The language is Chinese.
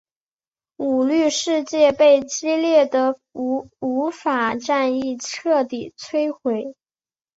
舞律世界被激烈的舞法战役彻底摧毁。